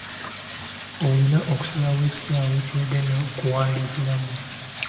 Olina okusalawo ekisaawe ky’ogenda okuwandiikiramu.